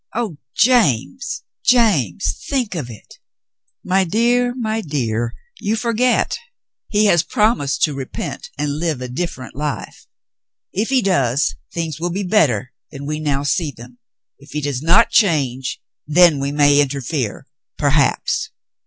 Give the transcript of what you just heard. Oh, James, James, think of it !" "My dear, my dear, you forget, he has promised to repent and live a different life. If he does, things will be better than we now see them. If he does not change, then we may interfere — perhaps."